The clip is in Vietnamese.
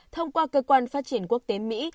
thông qua cơ quan phát triển quốc tế mỹ